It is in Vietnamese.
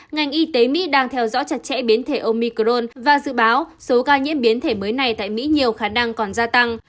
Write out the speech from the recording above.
ngành y tế mỹ đang theo dõi chặt chẽ biến thể omicron và dự báo số ca nhiễm biến thể mới này tại mỹ nhiều khả năng còn gia tăng